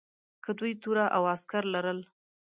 که دوی توره او عسکر لرل.